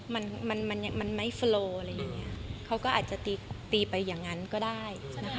มันมันมันไม่โฟโลอะไรอย่างเงี้ยเขาก็อาจจะตีตีไปอย่างนั้นก็ได้นะคะ